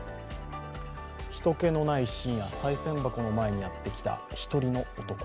人けのない深夜、さい銭箱の前にやってきた１人の男。